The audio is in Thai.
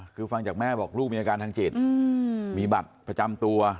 คือฟังจากแม่บอกลูกมีอาการทางจิตมีบัตรประจำตัว